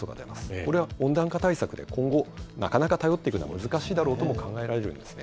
これは温暖化対策で今後、なかなか頼っていくのは難しいだろうとも考えられるんですね。